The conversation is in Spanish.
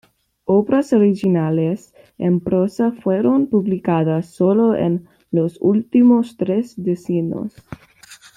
Obras originales en prosa fueron publicadas sólo en los últimos tres decenios.